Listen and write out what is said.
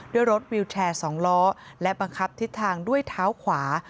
ด้วยรถวิวแชร์๒ล้อและบังคับทิศทางด้วยเท้าขวา